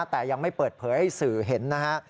แต่ยังไม่เปิดเผยให้สื่อเห็นนะฮะ